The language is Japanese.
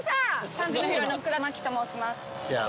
３時のヒロインの福田麻貴と申します。